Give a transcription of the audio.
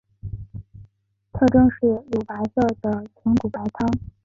特征是乳白色的豚骨白汤。